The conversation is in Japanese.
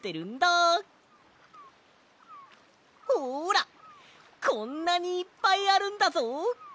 ほらこんなにいっぱいあるんだぞ！